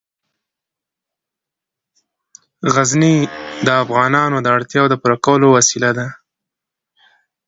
غزني د افغانانو د اړتیاوو د پوره کولو وسیله ده.